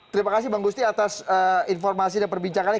terima kasih bang gusti atas informasi dan perbincangannya